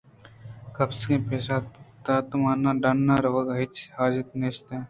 کپیسءَپسّہ داتمنا ڈَنّ ءِ رَوَگءِ ہچ حاجت نیست